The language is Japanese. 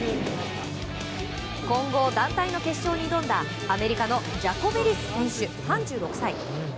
混合団体の決勝に挑んだアメリカのジャコベリス選手、３６歳。